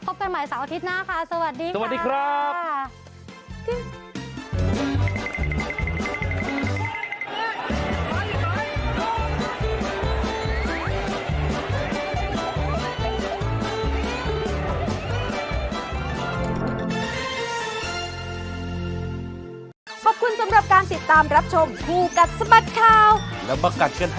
พบกันใหม่๓อาทิตย์หน้าค่ะ